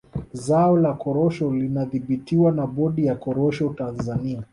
Zao la korosho linadhibitiwa na bodi ya korosho Tanzania